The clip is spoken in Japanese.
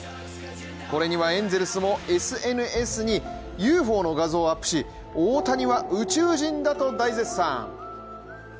これにはエンゼルスもＳＮＳにＵＦＯの画像をアップし大谷は宇宙人だと大絶賛。